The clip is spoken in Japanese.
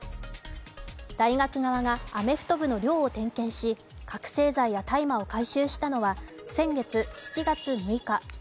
大学側がアメフト部の寮を点検し、覚醒剤や大麻を回収したのは先月７月６日。